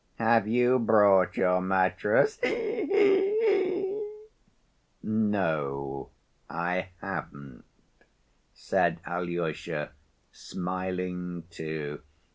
Have you brought your mattress? He he he!" "No, I haven't," said Alyosha, smiling, too.